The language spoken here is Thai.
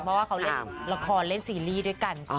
เพราะว่าเขาเล่นละครเล่นซีรีส์ด้วยกัน